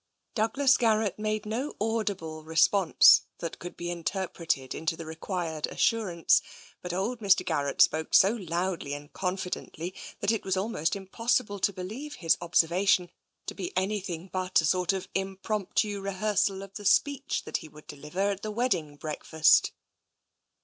Douglas Garrett made no audible response that could be interpreted into the required assurance, but old Mr. Garrett spoke so loudly and confidently that it was almost impossible to believe his observation to be any 211 212 TENSION thing but a sort of impromptu rehearsal of the speech that he would deliver at the wedding breakfast.